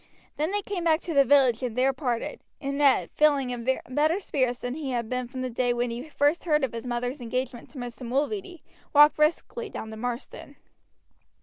Then they came back to the village and there parted, and Ned, feeling in better spirits than he had been from the day when he first heard of his mother's engagement to Mr. Mulready, walked briskly down to Marsden.